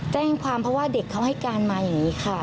แจ้งความเพราะว่าเด็กเขาให้การมาอย่างนี้ค่ะ